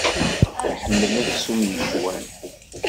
Iḥemmel aksum yecwan.